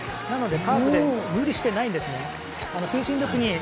なのでカーブで無理してないんです。